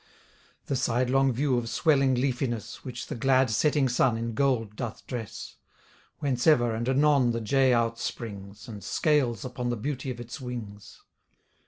The sidelong view of swelling leafiness, Which the glad setting sun, in gold doth dress; Whence ever, and anon the jay outsprings, And scales upon the beauty of its wings.